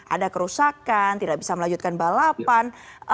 ada kerusakan tidak bisa melanjutkan balapan